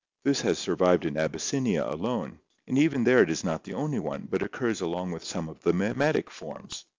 This has survived in Abyssinia alone, and even there it is not the only one, but occurs along with some of the mimetic forms " (Weismann).